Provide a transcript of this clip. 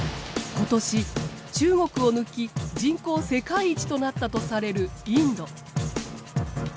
今年中国を抜き人口世界一となったとされるインド。